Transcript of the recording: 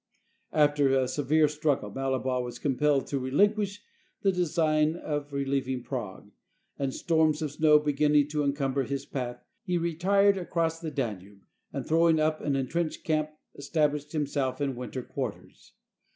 After a severe struggle, Mallebois was compelled to re linquish the design of relieving Prague, and storms of snow beginning to encumber his path, he retired across the Danube, and throwing up an intrenched camp, es tablished himself in winter quarters.